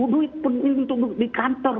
duit untuk di kantor